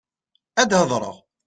Ad hedṛeɣ.